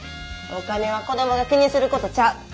お金は子供が気にすることちゃう。